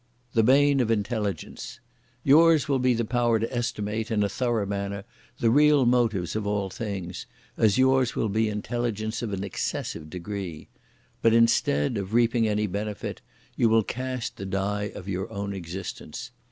The bane of Intelligence. Yours will be the power to estimate, in a thorough manner, the real motives of all things, as yours will be intelligence of an excessive degree; but instead (of reaping any benefit) you will cast the die of your own existence!